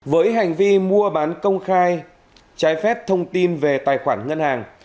với hành vi mua bán công khai trái phép thông tin về tài khoản ngân hàng